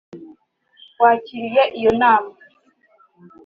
wakiriye iyo nama